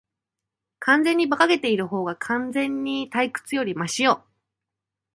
完全に馬鹿げているほうが、完全に退屈よりマシよ。